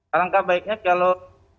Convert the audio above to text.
alangkah baiknya kalau